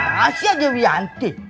masih ada wianti